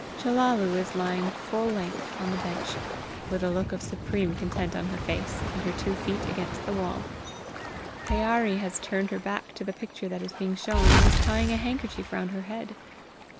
Chellalu is lying full length on the bench, with a look of supreme content on her face, and her two feet against the wall. Pyârie has turned her back to the picture that is being shown, and is tying a handkerchief round her head.